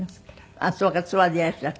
ああそうかツアーでいらっしゃる。